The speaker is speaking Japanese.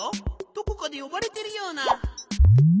どこかでよばれてるような。